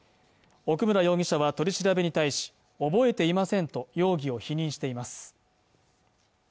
奥村容疑者は取り調べに対し覚えていませんと容疑を否認しています